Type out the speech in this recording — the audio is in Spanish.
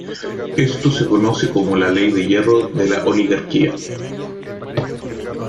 Esto se conoce como la ley de hierro de la oligarquía.